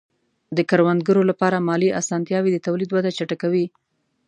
د کروندګرو لپاره مالي آسانتیاوې د تولید وده چټکوي.